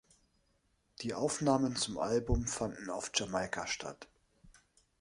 Die Aufnahmen zum Album fanden auf Jamaika statt.